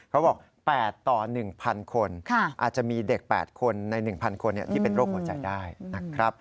เขาบอก๘ต่อ๑๐๐คนอาจจะมีเด็ก๘คนใน๑๐๐คนที่เป็นโรคหัวใจได้นะครับ